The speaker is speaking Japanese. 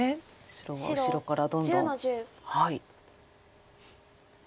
白は後ろからどんどん。